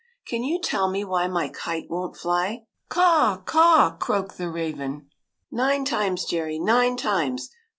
" Can you tell me why my kite won't fly?" " Caw, caw !" croaked the raven. " Nine times, Jerry, nine times